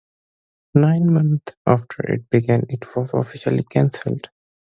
Nine months after it began, it was officially canceled.